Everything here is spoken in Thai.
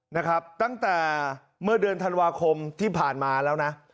นะครับตั้งแต่เมื่อเดือนธันวาคมที่ผ่านมาแล้วนะ